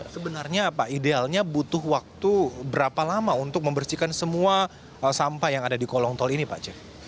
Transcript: sebenarnya apa idealnya butuh waktu berapa lama untuk membersihkan semua sampah yang ada di kolong tol ini pak cek